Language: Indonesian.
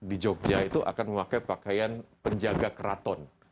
di jogja itu akan memakai pakaian penjaga keraton